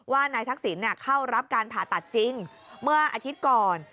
ว่านายทักษิณเข้ารับการผ่าตัดจริงเมื่ออาทิตย์ก่อน